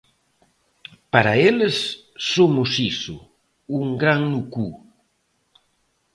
Para eles somo iso: un gran no cu.